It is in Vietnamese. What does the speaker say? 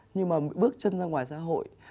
nhưng mà bước chân ra ngoài xã hội